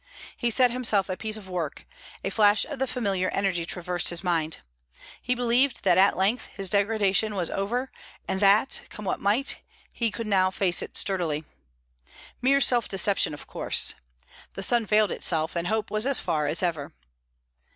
He set himself a piece of work; a flash of the familiar energy traversed his mind. He believed that at length his degradation was over, and that, come what might, he could now face it sturdily. Mere self deception, of course. The sun veiled itself, and hope was as far as ever.